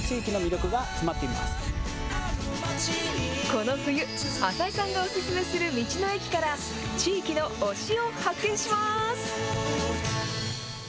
この冬、浅井さんがお勧めする道の駅から、地域の推しを発見します。